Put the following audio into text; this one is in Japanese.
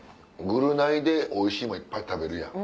『ぐるナイ』でおいしいものいっぱい食べるやん。